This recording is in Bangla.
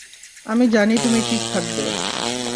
আমি জানি তুমি ঠিক থাকবে।